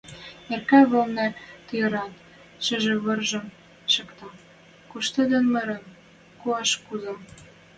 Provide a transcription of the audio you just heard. Неркӓ вӹлнӹ тьыриӓт шӹвӹржӹм шакта, куштен-мырен, кӱш куза.